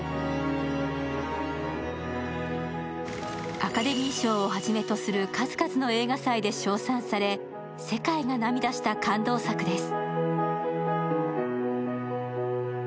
アカデミー賞をはじめとする数々の映画祭で称賛され世界が涙した感動作です。